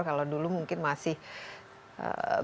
kalau dulu mungkin masih bisa lah bekerja